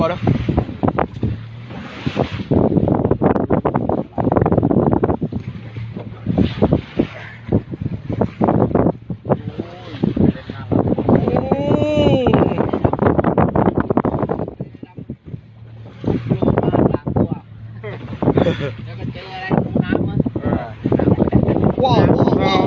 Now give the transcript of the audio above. ว้าวว้าวว้าวว้าว